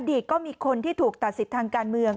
ก็มีคนที่ถูกตัดสิทธิ์ทางการเมือง